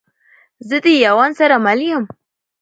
زه ده یون سره مل یم